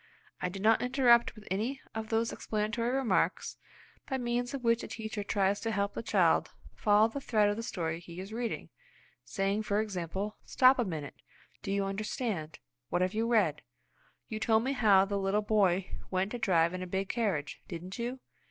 I did not interrupt with any of those explanatory remarks by means of which a teacher tries to help the child follow the thread of the story he is reading, saying for example: "Stop a minute. Do you understand? What have you read? You told me how the little boy went to drive in a big carriage, didn't you?